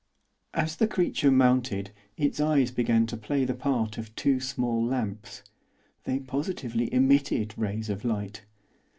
As the creature mounted its eyes began to play the part of two small lamps; they positively emitted rays of light.